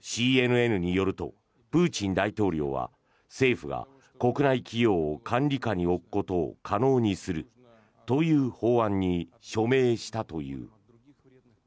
ＣＮＮによるとプーチン大統領は政府が国内企業を管理下に置くことを可能にするという法案に署名したという。